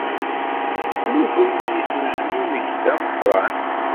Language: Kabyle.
Temmuger-iyi s wezmumeg d ameqran.